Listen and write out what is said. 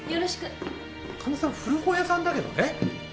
神田さん古本屋さんだけどね。